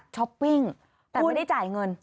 ช้อปปิ้งแต่ไม่ได้จ่ายเงิน